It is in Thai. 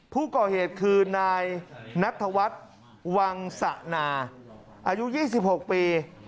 ผู้ก่อเหตุคือนายนัทวัฒน์วังสะนาอายุ๒๖ปี